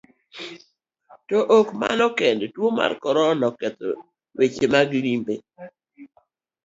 To ok mano kende, tuo mar korona oketho weche limbe.